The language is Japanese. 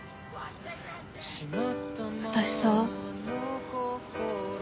私さ。